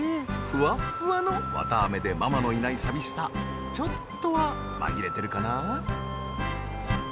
フワッフワのわたあめでママのいない寂しさちょっとは紛れてるかな？